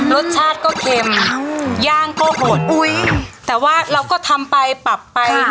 รสชาติก็เค็มย่างก็โหดอุ้ยแต่ว่าเราก็ทำไปปรับไป